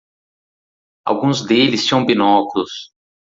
Alguns deles tinham binóculos.